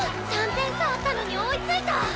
３点差あったのに追いついた！